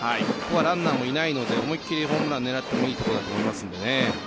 ランナーもいないので思い切りホームランを狙ってもいいところだと思いますね。